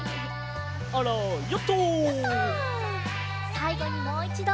さいごにもういちど。